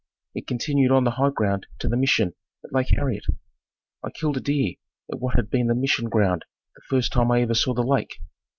It continued on the high ground to the Mission at Lake Harriet. I killed a deer at what had been the Mission ground the first time I ever saw the lake.